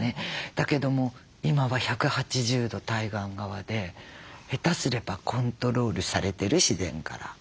だけども今は１８０度対岸側で下手すればコントロールされてる自然から。